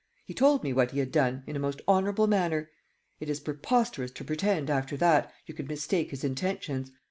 He told me what he had done, in a most honourable manner. It is preposterous to pretend, after that, you could mistake his intentions.